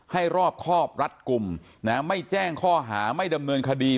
รอบครอบรัดกลุ่มนะไม่แจ้งข้อหาไม่ดำเนินคดี